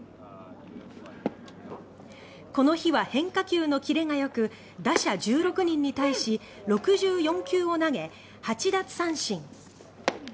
この日は変化球の切れが良く打者１６人に対し６４球を投げ８奪三振。